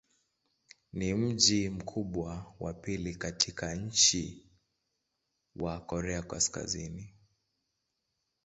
Ni mji mkubwa wa pili katika nchi wa Korea Kaskazini.